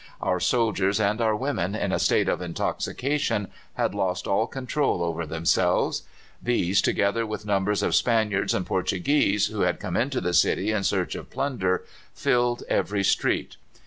Our soldiers and our women, in a state of intoxication, had lost all control over themselves. These, together with numbers of Spaniards and Portuguese, who had come into the city in search of plunder, filled every street.